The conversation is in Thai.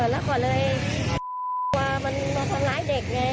เออแล้วก็เลยว่ามันมาทำร้ายเด็กไง